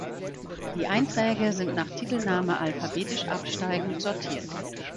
Die Einträge sind nach Titelname alphabetisch absteigend sortiert.